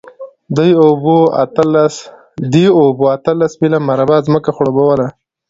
دې اوبو اتلس میله مربع ځمکه خړوبوله.